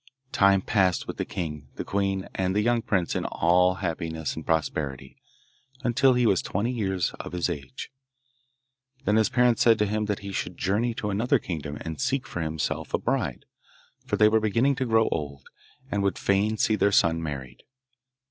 Time passed with the king, the queen, and the young prince in all happiness and prosperity, until he was twenty years of his age. Then his parents said to him that he should journey to another kingdom and seek for himself a bride, for they were beginning to grow old, and would fain see their son married.